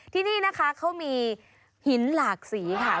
ที่นี่นะคะเขามีหินหลากสีค่ะ